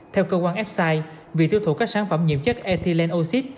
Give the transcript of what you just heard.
theo cơ quan f side vì thiêu thụ các sản phẩm nhiệm chất ethylene oxy